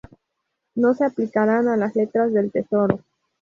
No se aplicarán a las Letras del Tesoro.